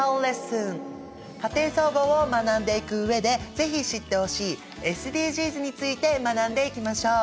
「家庭総合」を学んでいく上で是非知ってほしいＳＤＧｓについて学んでいきましょう！